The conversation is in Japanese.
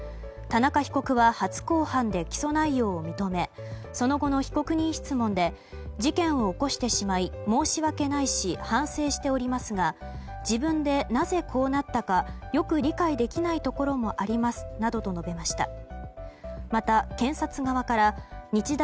田中被告は初公判で起訴内容を認めその後の被告人質問で事件を起こしてしまい申し訳ないし反省しておりますが自分でなぜこうなったかよく理解できないところもありますなどと述べました。